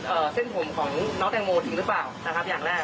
เส้นผมของน้องแตงโมจริงหรือเปล่านะครับอย่างแรก